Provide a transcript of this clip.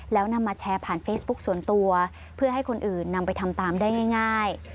แล้วนำมาแชร์ผ่านเฟซบุ๊คส่วนตัวเพื่อให้คนอื่นนำไปทำตามได้ง่าย